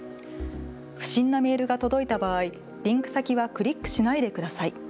不審なメールが届いた場合、リンク先はクリックしないでください。